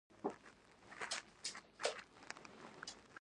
د ماخستن لمونځونه مو په جمع سره وکړل.